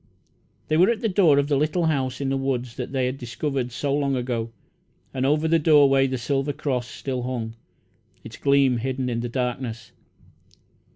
They were at the door of the little house in the woods that they had discovered so long ago; and over the doorway the silver cross still hung, its gleam hidden in the darkness.